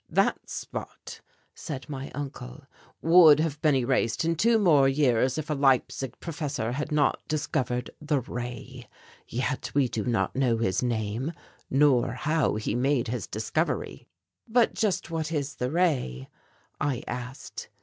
"That spot," said my uncle, "would have been erased in two more years if a Leipzig professor had not discovered The Ray. Yet we do not know his name nor how he made his discovery." "But just what is The Ray?" I asked.